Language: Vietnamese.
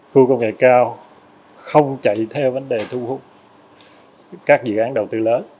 khu công nghệ cao không chạy theo vấn đề thu hút các dự án đầu tư lớn